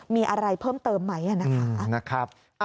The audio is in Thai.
มีอะไรเพิ่มเติมไหมนะคะ